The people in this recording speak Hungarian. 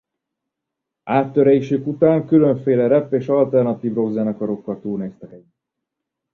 Áttörésük után különféle rap és alternatív-rock zenekarokkal turnéztak együtt.